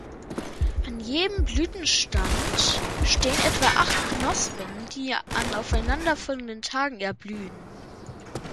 An jedem Blütenstand stehen etwa acht Knospen, die an aufeinander folgenden Tagen erblühen.